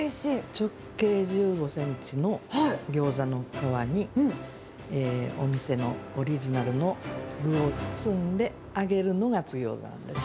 直径１５センチの餃子の皮に、お店のオリジナルの具を包んで揚げるのが津ぎょうざなんです。